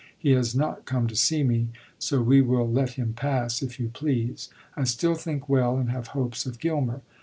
He has not come to see me; so we will let him pass, if you please. I still think well and have hopes of Gilmer."